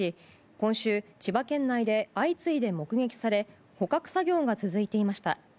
今週、千葉県内で相次いで目撃され捕獲作業が続いていました。